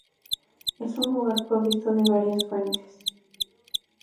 Es un lugar provisto de varias fuentes.